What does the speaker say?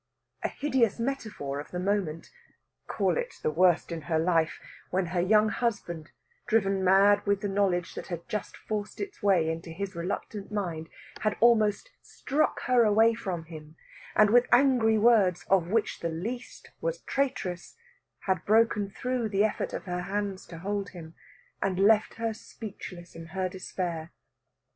A hideous metaphor of the moment call it the worst in her life when her young husband, driven mad with the knowledge that had just forced its way into his reluctant mind, had almost struck her away from him, and with angry words, of which the least was traitress, had broken through the effort of her hands to hold him, and left her speechless in her despair.